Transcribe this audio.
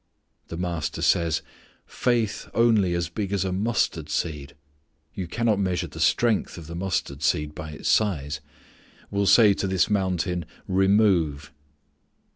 The Master says, "faith only as big as a mustard seed (you cannot measure the strength of the mustard seed by its size) will say to this mountain 'Remove.'"